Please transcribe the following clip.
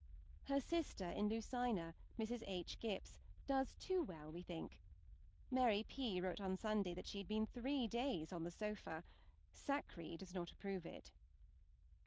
Her sister in Lucina, Mrs. H. Gipps, does too well, we think. Mary P. wrote on Sunday that she had been three days on the sofa. Sackree does not approve it.